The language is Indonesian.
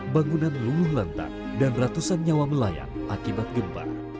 bangunan lunguh lantang dan ratusan nyawa melayang akibat gempar